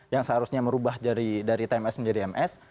yang seharusnya merubah dari tms menjadi ms